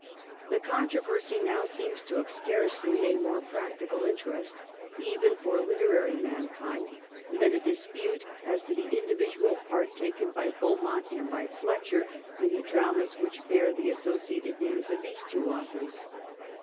The controversy now seems to have scarcely a more practical interest, even for literary mankind, than a dispute as to the individual part taken by Beaumont and by Fletcher in the dramas which bear the asso ciated names of these two authors.